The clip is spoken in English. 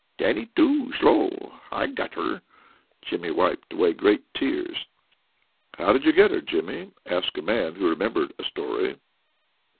Dannie too slow. I got her." Jimmy wiped away great tears. "How did you get her, Jimmy?" asked a man who remembered a story.